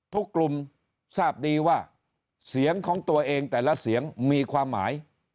ทุกกลุ่มทราบดีว่าเสียงของตัวเองแต่ละเสียงมีความหมาย